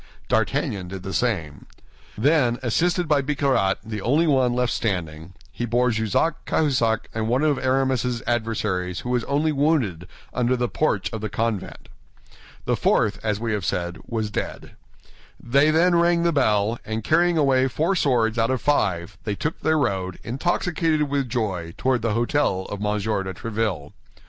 D'Artagnan did the same. Then, assisted by Bicarat, the only one left standing, they bore Jussac, Cahusac, and one of Aramis's adversaries who was only wounded, under the porch of the convent. The fourth, as we have said, was dead. They then rang the bell, and carrying away four swords out of five, they took their road, intoxicated with joy, toward the hôtel of M. de Tréville.